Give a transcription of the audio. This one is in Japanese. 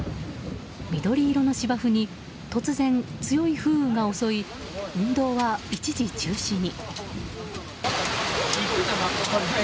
緑色の芝生に突然、強い風雨が襲い運動は一時中止に。